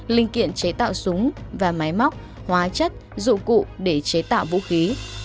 linh kiện chế tạo súng và máy móc hóa chất dụng cụ để chế tạo vũ khí